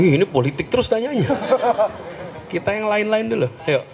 ini politik terus tanyanya kita yang lain lain dulu